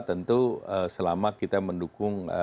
tentu selama kita mendukung